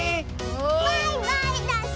バイバイだし！